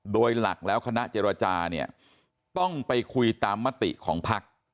โดยหลักแล้วคณะเจรจาเนี่ยต้องไปคุยตามมติของพัก